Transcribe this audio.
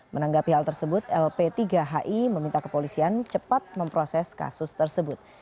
menanggapi hal tersebut lp tiga hi meminta kepolisian cepat memproses kasus tersebut